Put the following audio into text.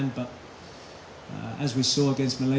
rekor malaysia akan terbentuk